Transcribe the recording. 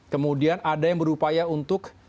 kemudian ada yang berupaya untuk